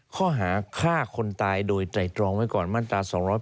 ข้อหาฆ่าคนตายโดยตรัยตรองเว้ยก่อนมาตร๒๘๙